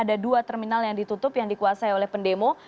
ada dua terminal yang ditutup yang dikuasai oleh pendemo